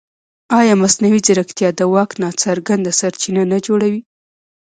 ایا مصنوعي ځیرکتیا د واک ناڅرګند سرچینه نه جوړوي؟